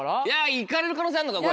いかれる可能性あるのかこれ。